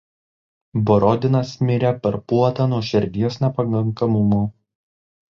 Borodinas mirė per puotą nuo širdies nepakankamumo.